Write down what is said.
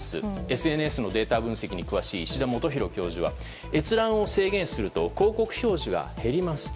ＳＮＳのデータ分析に詳しい石田基弘教授は閲覧を制限すると広告表示が減りますと。